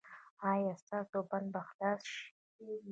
ایا ستاسو بند به خلاص شي؟